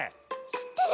しってる！